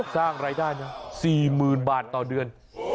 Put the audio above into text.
สร้างรายได้นะ๔๐๐๐บาทต่อเดือน